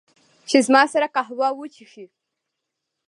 چې، زما سره قهوه وچښي